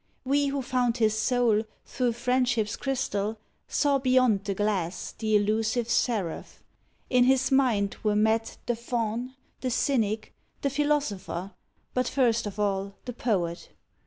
We, who found his soul Thro friendship's crystal, saw beyond the glass The elusive seraph. In his mind were met The faun, the cynic, the philosopher, But first of all, the poet.